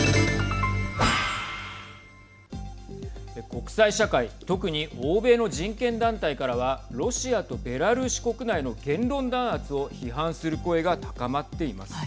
国際社会特に欧米の人権団体からはロシアとベラルーシ国内の言論弾圧を批判する声が高まっています。